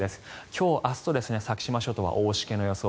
今日、明日と先島諸島は大しけの予想。